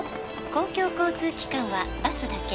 「公共交通機関はバスだけ」